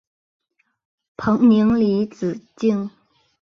彭宁离子阱。